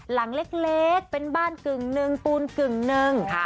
หลังเล็กเป็นบ้านกึ่งหนึ่งปูนกึ่งหนึ่ง